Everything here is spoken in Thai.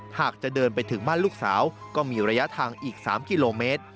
หากจะเดินไปถึงบ้านลูกสาวก็มีระยะทางอีก๓กิโลเมตร